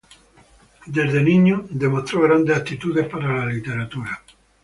Desde niño demostró grandes aptitudes para la literatura.